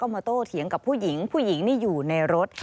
มาโต้เถียงกับผู้หญิงผู้หญิงนี่อยู่ในรถ